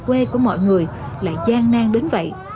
về quê của mọi người lại gian nan đến vậy